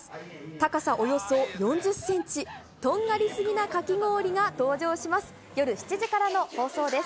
高さおよそ４０センチ、とんがりすぎなかき氷が登場します。